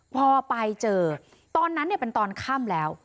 พอไปเจอตอนนั้นเป็นตอนค่ำแล้ว